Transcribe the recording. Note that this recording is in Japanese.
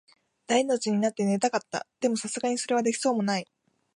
大の字になって寝たかった。でも、流石にそれはできそうもない。